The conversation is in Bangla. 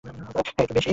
হা, একটু বেশিই।